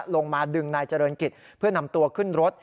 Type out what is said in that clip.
ลงมาดึงนายเจริญกิจเพื่อนำตัวขึ้นรถ